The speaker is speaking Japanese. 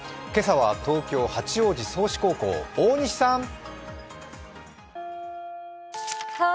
今朝は東京、八王子桑志高等学校、大西さん。